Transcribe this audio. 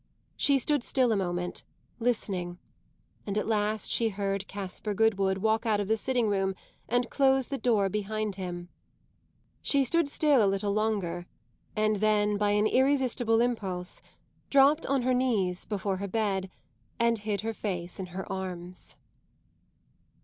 She stood still a moment, listening, and at last she heard Caspar Goodwood walk out of the sitting room and close the door behind him. She stood still a little longer, and then, by an irresistible impulse, dropped on her knees before her bed and hid her face in her arms.